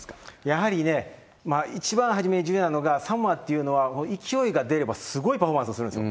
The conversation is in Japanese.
やはり一番初めに重要なのが、サモアというのは勢いが出れば、すごいパフォーマンスをするんです。